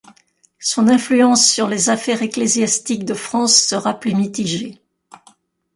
Son influence sur les affaires ecclésiastiques de France sera plus mitigé.